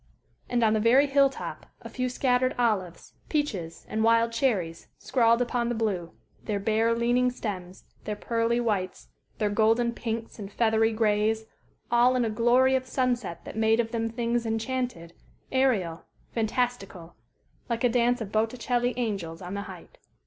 And on the very hill top a few scattered olives, peaches, and wild cherries scrawled upon the blue, their bare, leaning stems, their pearly whites, their golden pinks and feathery grays all in a glory of sunset that made of them things enchanted, aerial, fantastical, like a dance of Botticelli angels on the height.